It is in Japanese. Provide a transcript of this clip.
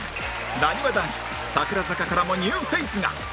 なにわ男子櫻坂からもニューフェイスが